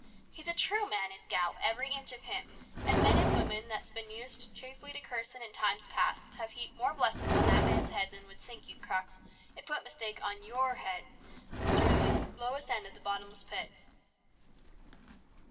He's a true man, is Gough, every inch of him, and men and women that's bin used chiefly to cursin' in time past have heaped more blessin's on that man's head than would sink you, Crux, if put by mistake on your head right through the lowest end o' the bottomless pit."